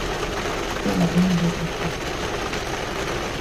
Stella don broke yi foot.